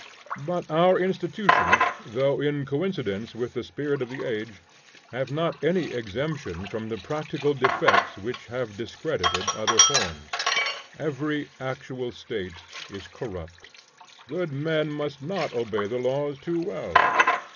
But our institutions, though in coincidence with the spirit of the age, have not any exemption from the practical defects which have discredited other forms. Every actual State is corrupt. Good men must not obey the laws too well.